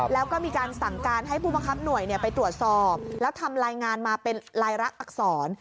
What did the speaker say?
แล้วก็มีการสั่งการให้ผู้บังคับหน่วยไปตรวจสอบแล้วทำรายงานมาเป็นลายลักษณอักษร